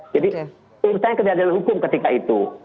jadi saya tidak ada hukum ketika itu